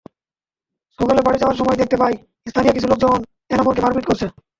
সকালে বাড়ি যাওয়ার সময় দেখতে পাই, স্থানীয় কিছু লোকজন এনামুরকে মারপিট করছে।